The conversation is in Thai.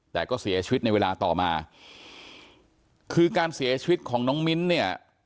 แต่ก็เสียชีวิตในเวลาต่อมาคือการเสียชีวิตของน้องมิ้นเนี่ย